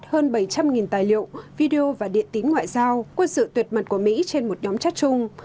hơn bảy trăm linh tài liệu video và điện tín ngoại giao quân sự tuyệt mật của mỹ trên một nhóm chất chung